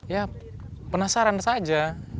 ya penasaran saja